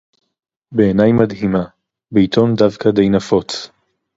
בעיני מדהימה, בעיתון דווקא די נפוץ